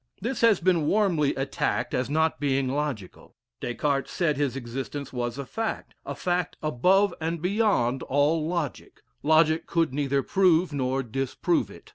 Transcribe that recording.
This has been warmly attacked as not being logical. Des Cartes said his existence was a fact a fact above and beyond all logic; logic could neither prove nor disprove it.